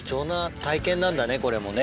なんだねこれもね。